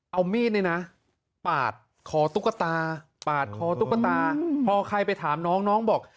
เอามีดนี่นะปาดคอตุ๊กตาปาดคอตุ๊กตาพอใครไปถามน้องน้องบอก